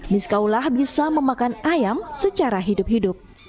miskaulah bisa memakan ayam secara hidup hidup